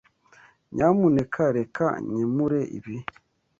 Nyamuneka reka nkemure ibi.